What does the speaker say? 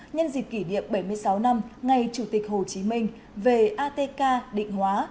nhân dịp kỷ niệm bảy mươi sáu năm ngày chủ tịch hồ chí minh về atk định hóa